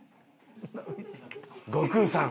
「悟空さん